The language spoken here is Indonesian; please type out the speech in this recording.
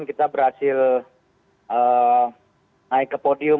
kita berhasil naik ke podium